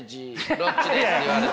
ロッチです！」って言われて。